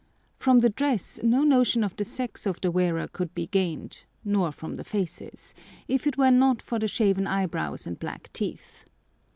From the dress no notion of the sex of the wearer could be gained, nor from the faces, if it were not for the shaven eyebrows and black teeth.